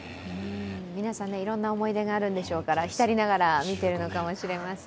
皆さん、いろいろな思い出があるんでしょうから、浸りながら見ているのかもしれません。